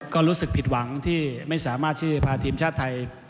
ก็รู้สึกผิดหวังที่ไม่สามารถที่พาทีมชาติไทย